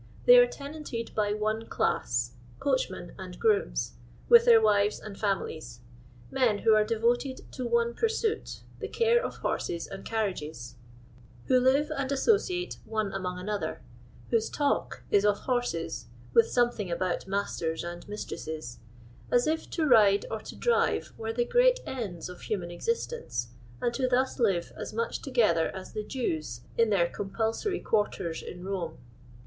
They are tenanted by one class coachuien and grooms, with their wives and families — men who are devoted to one pursuit, the care of horses and carriages ; who live and asso 208 LONDON LABOUR AND THE LONDON POOR. ciate one among another ; whose talk is of horses (with something about masters and mistresses) as if to ride or to drive were the great ends of human existence, and who thus live as much together as the Jews in their compulsory quarters in Borne.